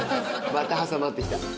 また挟まって来た。